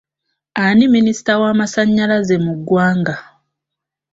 Ani minisita w'amasannyalaze mu ggwanga?